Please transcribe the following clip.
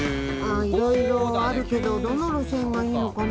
いろいろあるけどどの路線がいいのかな？